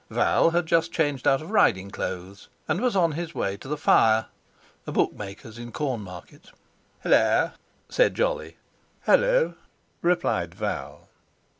Val had just changed out of riding clothes and was on his way to the fire—a bookmaker's in Cornmarket. "Hallo!" said Jolly. "Hallo!" replied Val.